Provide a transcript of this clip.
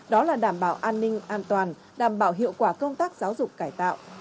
đó là đảm bảo an ninh an toàn đảm bảo hiệu quả công tác giáo dục cải tạo